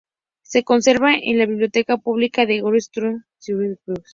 Se conserva en la Biblioteca Pública de Saltykov-Shchedrín en San Petersburgo, Rusia.